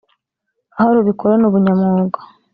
aho rubikorana ubunyamwuga